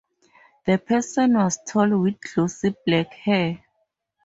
That person was tall with glossy black hair.